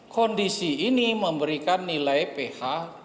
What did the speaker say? kondisi ini memberikan nilai ph tiga belas